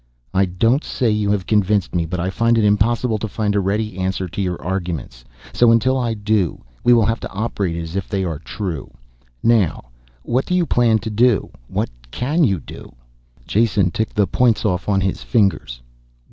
"I don't say you have convinced me, but I find it impossible to find a ready answer to your arguments. So until I do, we will have to operate as if they are true. Now what do you plan to do, what can you do?" Jason ticked the points off on his fingers.